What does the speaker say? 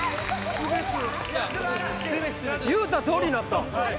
言うた通りになったわ。